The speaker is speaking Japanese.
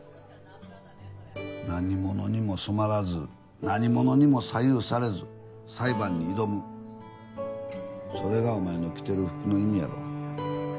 何者にも染まらず何者にも左右されず裁判に挑むそれがお前の着てる服の意味やろ